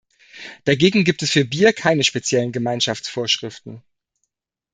Dagegen gibt es für Bier keine speziellen Gemeinschaftsvorschriften.